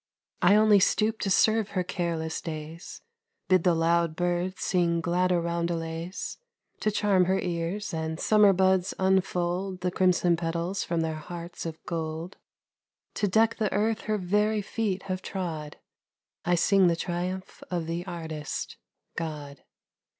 I only stoop to serve her careless days, Bid the loud birds sing gladder roundelays To charm her ears, and summer buds unfold The crimson petals from their hearts of gold To deck the earth her very feet have trod I sing the triumph of the Artist, God.